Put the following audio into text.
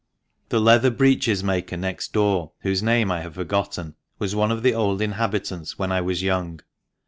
The leather breeches maker next door, whose name I have forgotten, was one of the old inhabitants when I was young.